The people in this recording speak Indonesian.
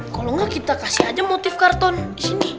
kalau nggak kita kasih aja motif karton disini